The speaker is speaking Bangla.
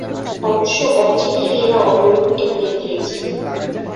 অবশ্য অচিরেই এরা অবলুপ্ত হয়ে গিয়েছিল।